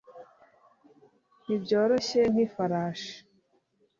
Ntibyoroshye nkifarashi